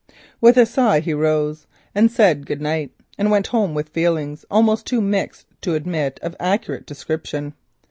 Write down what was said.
With a sigh he rose, said good night, and went home with feelings almost too mixed to admit of accurate description.